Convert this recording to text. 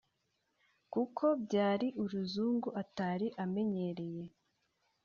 kuko byari uruzungu atari amenyereye